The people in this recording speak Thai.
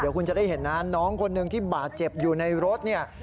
เดี๋ยวคุณจะได้เห็นนะน้องคนหนึ่งที่บาดเจ็บอยู่ในรถเนี่ย